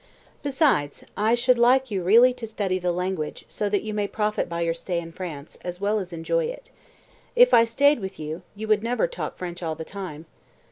"Besides, I should like you really to study the language, so that you may profit by your stay in France, as well as enjoy it. If I stayed with you you would never talk French all the time."